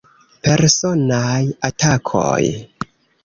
Personaj atakoj.